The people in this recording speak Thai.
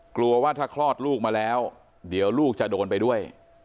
กลัวว่าถ้าคลอดลูกมาแล้วเดี๋ยวลูกจะโดนไปด้วย